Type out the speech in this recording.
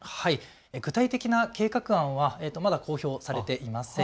具体的な計画案はまだ公表されていません。